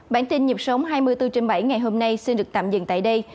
bản tin nhịp sống hai mươi bốn trên bảy ngày hôm nay xin được tạm dừng tại đây